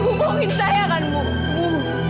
ibu mau minta ayah kan bu